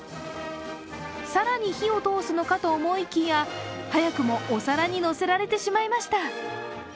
更に火を通すのかと思いきや、早くもお皿に乗せられてしまいました。